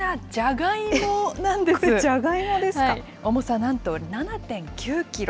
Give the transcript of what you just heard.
これ、重さなんと７．９キロ。